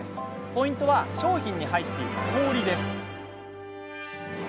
ポイントは商品に入っている氷です。